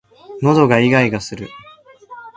喉がいがいがする